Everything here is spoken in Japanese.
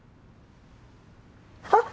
あっ！